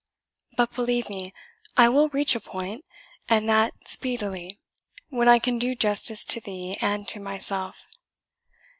But, believe me, I will reach a point, and that speedily, when I can do justice to thee and to myself.